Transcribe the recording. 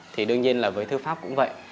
thì đương nhiên là với thư pháp cũng vậy